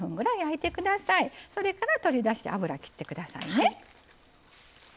それから取り出して油切って下さいね。